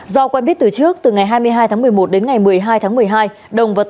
do quan biết từ trước từ ngày hai mươi hai tháng một mươi một đến ngày một mươi hai tháng một mươi hai